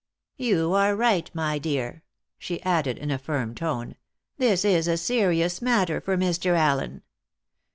You are right, my dear," she added in a firm tone; "this is a serious matter for Mr. Allen.